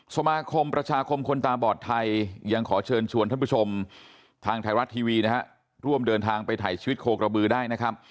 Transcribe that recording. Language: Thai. สมาคมประชาคมคนตาบอดไทยยังขอเชิญชวนท่านผู้ชมทางไทยรัฐทีวีนะฮะร่วมเดินทางไปถ่ายชีวิตโคกระบือได้นะครับ